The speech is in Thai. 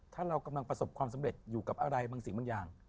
ถ้าเรากำลังประสบความสำเร็จอยู่กับอะไรบางสิ่งบางอย่าง